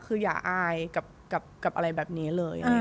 คืออย่าอายกับอะไรแบบนี้เลย